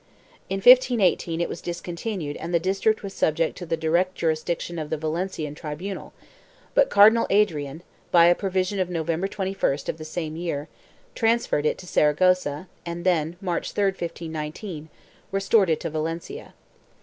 In 1518 it was discontinued and the district was subjected to the direct jurisdiction of the Valencian tribunal, but Cardinal Adrian, by a provision of Nov. 21st of the same year, trans ferred it to Saragossa and then, March 3, 1519 restored it to Valencia.